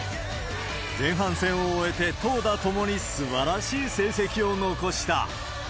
前半戦を終えて、投打ともにすばらしい成績を残した。